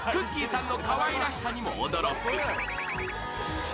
さんのかわいらしさにも驚く。